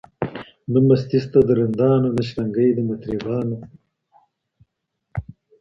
نه مستي سته د رندانو نه شرنګی د مطربانو